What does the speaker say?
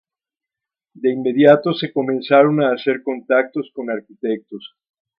De inmediato se comenzaron a hacer contactos con arquitectos.